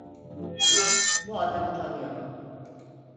Bu adamı tanıyorum.